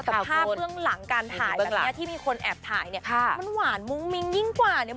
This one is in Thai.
แต่ภาพเบื้องหลังการถ่ายแบบเนี้ยที่มีคนแอบถ่ายเนี่ยมันหวานมุ้งมิ้งยิ่งกว่าเนี่ย